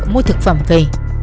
mua thực phẩm về